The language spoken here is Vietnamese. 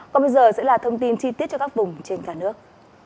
còn bây giờ sẽ là thông tin chi tiết cho các vùng trên cả nước